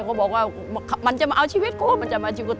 เขาบอกว่ามันจะมาเอาชีวิตกูมันจะมาชีวิตกู